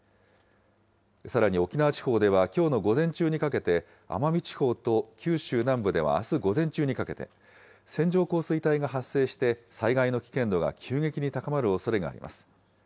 さらに沖縄地方ではきょうの午前中にかけて、奄美地方と九州南部ではあす午前中にかけて、線状降水帯が発生して、災害の危険度が急激に高まるおそれがあります。